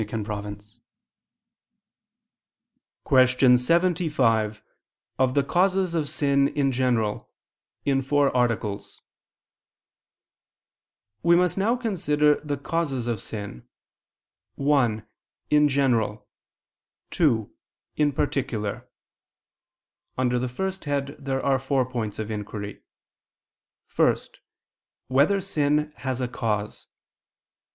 ________________________ QUESTION 75 OF THE CAUSES OF SIN, IN GENERAL (In Four Articles) We must now consider the causes of sin: (1) in general; (2) in particular. Under the first head there are four points of inquiry: (1) Whether sin has a cause?